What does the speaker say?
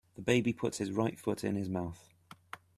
The baby puts his right foot in his mouth.